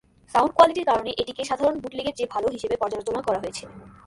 Sound কোয়ালিটির কারণে এটিকে "সাধারণ বুটলেগের চেয়ে ভাল" হিসেবে পর্যালোচনা করা হয়েছে।